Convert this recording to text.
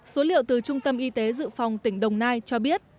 số liệu từ trung tâm y tế dự phòng tỉnh đồng nai cho biết